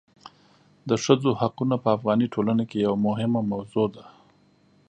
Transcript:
د ښځو حقونه په افغاني ټولنه کې یوه مهمه موضوع ده.